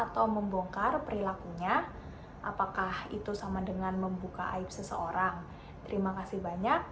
terima kasih banyak